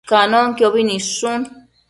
Canonquiobi nidshun